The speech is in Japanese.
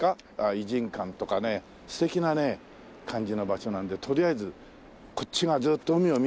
異人館とかね素敵なね感じの場所なんでとりあえずこっち側ずーっと海を見渡す方。